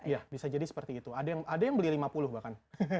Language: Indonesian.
ya bisa jadi seperti itu ada yang beli lima puluh bahkan